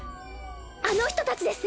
あの人たちです！